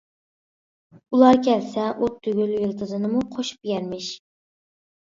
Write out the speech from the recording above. ئۇلار كەلسە ئوت تۈگۈل يىلتىزىنىمۇ قوشۇپ يەرمىش.